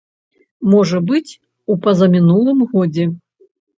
Можа быць, у пазамінулым годзе.